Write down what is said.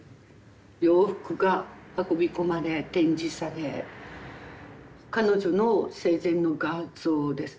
洋服が運び込まれ展示され彼女の生前の画像ですね